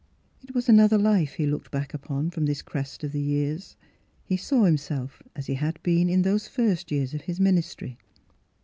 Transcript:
It was another life he looked back upon from this crest of the years. He saw himself as he had been in those first years of his ministry.